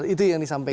itu yang disampaikan